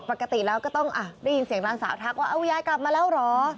ปกติแล้วก็ต้องได้ยินเสียงหลานสาวทักว่าเอายายกลับมาแล้วเหรอ